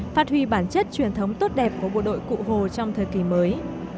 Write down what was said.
phát huy bản chất truyền thống tốt đẹp của bộ đội cụ hồ trong thời kỳ mới